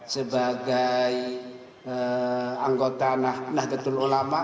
sebagai anggota nahdlatul ulama